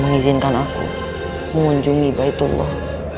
mengizinkan aku mengunjungi baik allah